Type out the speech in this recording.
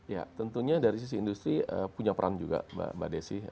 ya tentunya dari sisi industri punya peran juga mbak desi